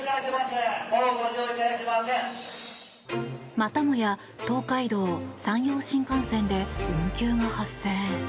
またもや東海道・山陽新幹線で運休が発生。